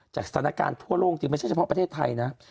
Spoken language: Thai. สถานการณ์ทั่วโลกจริงไม่ใช่เฉพาะประเทศไทยนะ